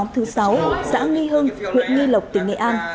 thứ sáu xã nghi hưng huyện nghi lộc tỉnh nghệ an